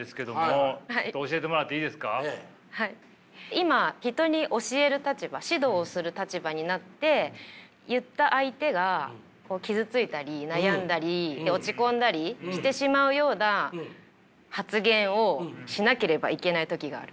今人に教える立場指導をする立場になって言った相手が傷ついたり悩んだり落ち込んだりしてしまうような発言をしなければいけない時がある。